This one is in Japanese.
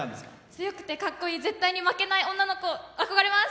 強くてかっこいい絶対に負けない女の子、憧れます！